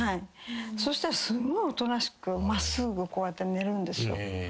そしたらすごいおとなしく真っすぐこうやって寝るんですよ。